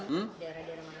di daerah semua